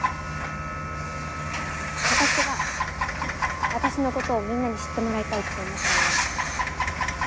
私が私のことをみんなに知ってもらいたいって思ったのは。